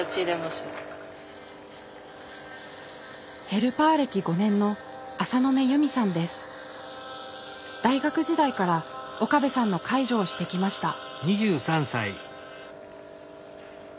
ヘルパー歴５年の大学時代から岡部さんの介助をしてきました。